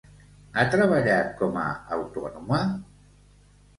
Ha treballat com a autònoma?